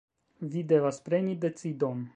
Vi devas preni decidon.